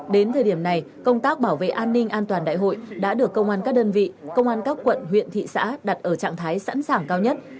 đến thời điểm này công tác bảo vệ an ninh an toàn đại hội đã được công an các đơn vị công an các quận huyện thị xã đặt ở trạng thái sẵn sàng cao nhất